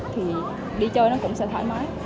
thì đi chơi nó cũng sẽ thoải mái